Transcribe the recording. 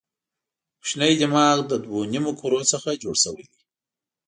کوچنی دماغ له دوو نیمو کرو څخه جوړ شوی دی.